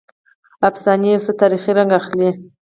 افسانې یو څه تاریخي رنګ اخلي.